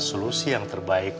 solusi yang terbaik